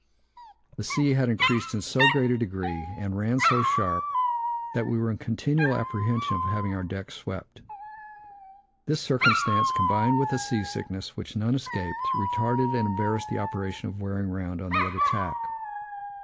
The sea had increased in so great a degree, and ran so sharp, that we were in continual apprehension of having our decks swept. This circumstance, combined with the sea sickness, which none escaped, retarded and embarrassed the operation of wearing round on the other tack.